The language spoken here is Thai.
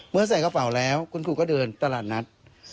ใส่กระเป๋าแล้วคุณครูก็เดินตลาดนัด